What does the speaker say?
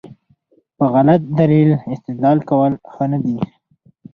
په غلط دلیل استدلال کول ښه نه دي.